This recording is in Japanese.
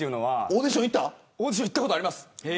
オーディション行ったことあります。